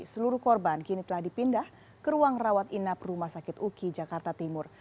seluruh korban kini telah dipindah ke ruang rawat inap rumah sakit uki jakarta timur